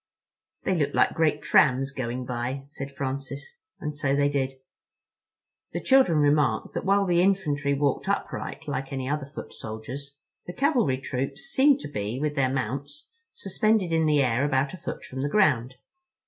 "They look like great trams going by," said Francis. And so they did. The children remarked that while the infantry walked upright like any other foot soldiers, the cavalry troops seemed to be, with their mounts, suspended in the air about a foot from the ground.